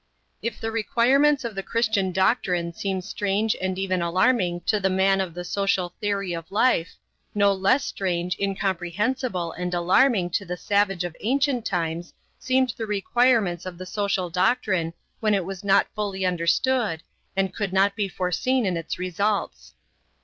If the requirements of the Christian doctrine seem strange and even alarming to the man of the social theory of life, no less strange, incomprehensible, and alarming to the savage of ancient times seemed the requirements of the social doctrine when it was not fully understood and could not be foreseen in its results.